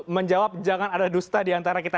menjawab jangan ada dusta diantara kita